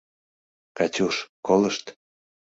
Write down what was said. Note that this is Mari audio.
— Катюш, колышт...